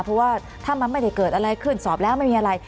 เพราะว่าถ้ามันไม่ได้เกิดอะไรขึ้นสอบแล้วไม่มีอะไร